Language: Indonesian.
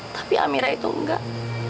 tapi amira itu enggak